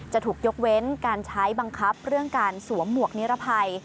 จะถูกยกเว้นการใช้บังคับเรื่องการสวมหมวกนิรภัย